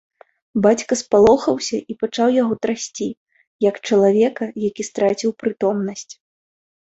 Бацька спалохаўся і пачаў яго трасці, як чалавека, які страціў прытомнасць.